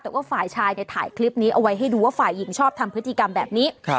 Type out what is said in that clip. แต่ว่าฝ่ายชายเนี่ยถ่ายคลิปนี้เอาไว้ให้ดูว่าฝ่ายหญิงชอบทำพฤติกรรมแบบนี้